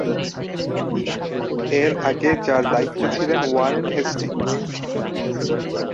এর আগে যার দায়িত্বে ছিলেন ওয়ারেন হেস্টিংস।